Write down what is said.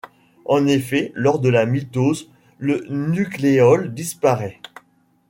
En effet lors de la mitose le nucléole disparaît.